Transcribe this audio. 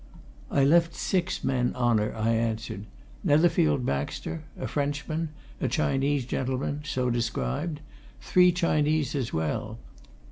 "I left six men on her," I answered. "Netherfield Baxter a Frenchman a Chinese gentleman, so described three Chinese as well.